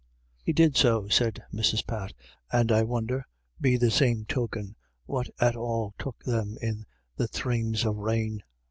" He did so," said Mrs. Pat, " and I wonder, be the same token, what at all took them in the sthrames of rain.